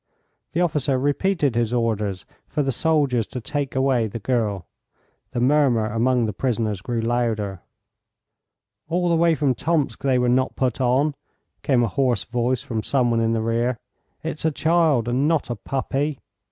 The officer repeated his orders for the soldiers to take away the girl. The murmur among the prisoners grew louder. "All the way from Tomsk they were not put on," came a hoarse voice from some one in the rear. "It's a child, and not a puppy."